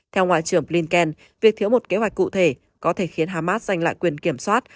theo ngoại trưởng blinken việc thiếu một kế hoạch cụ thể có thể khiến hamas giành lại quyền kiểm soát